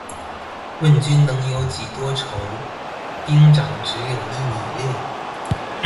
問君能有幾多愁，兵長只有一米六